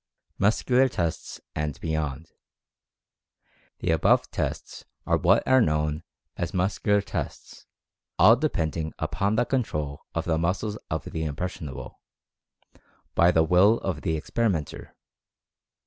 MUSCULAR TESTS, AND BEYOND. The above tests are what are known as Muscular Tests, all depending upon the control of the muscles of Experimental Fascination 107 the "impressionable" by the Will of the experimenter.